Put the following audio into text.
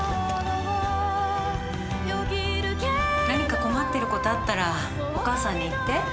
何か困ってることあったらお母さんに言って。